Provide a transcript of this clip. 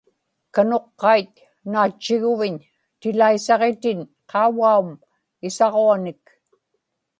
kanuqqait naatchiguviñ tilaisaġitin qaugaum isaġuanik